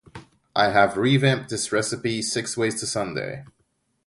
I have revamped this recipe six ways to Sunday.